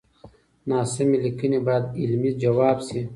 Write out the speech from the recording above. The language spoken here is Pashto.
ناسمې ليکنې بايد علمي ځواب شي.